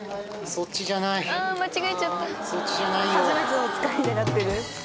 そっちじゃないよ。